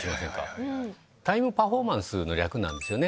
タイムパフォーマンスの略なんですよね。